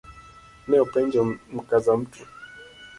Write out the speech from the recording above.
Ne openjo Mkazamtu